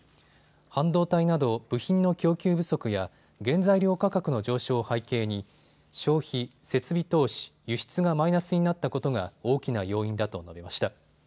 半導体など部品の供給不足や原材料価格の上昇を背景に消費、設備投資、輸出がマイナスになったことが大きな要因だと述べました。